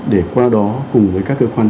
để qua đó cùng với các cơ quan